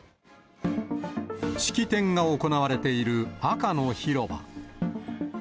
式典が行われている赤の広場。